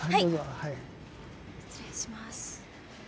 はい失礼します。